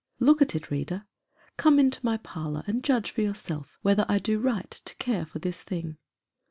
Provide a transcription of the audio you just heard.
Look at it, reader. Come into my parlor and judge for your self whether I do right to care for this thing.